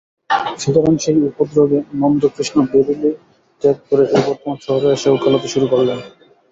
সুতরাং সেই উপদ্রবে নন্দকৃষ্ণ বেরিলি ত্যাগ করে এই বর্তমান শহরে এসে ওকালতি শুরু করলেন।